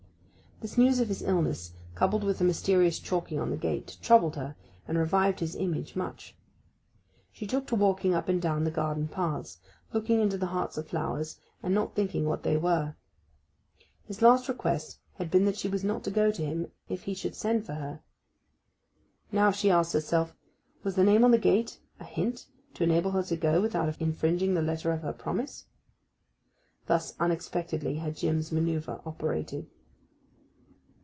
This news of his illness, coupled with the mysterious chalking on the gate, troubled her, and revived his image much. She took to walking up and down the garden paths, looking into the hearts of flowers, and not thinking what they were. His last request had been that she was not to go to him if be should send for her; and now she asked herself, was the name on the gate a hint to enable her to go without infringing the letter of her promise? Thus unexpectedly had Jim's manœuvre operated.